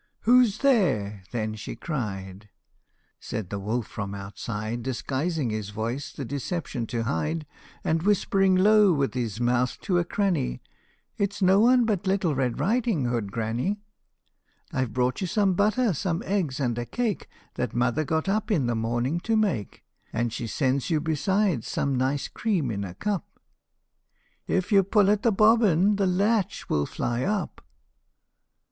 Who 's there ?" then she cried ; Said the wolf from outside, Disguising his voice the deception to hide, And whispering low with his mouth to a cranny, ' It 's no one but Little Red Riding Hood, granny ! I 've brought you some butter, some eggs, and a cake That mother got up in the morning to make, And she sends you besides some nice cream in a cup" " If you pull at the bobbin the latch will fly up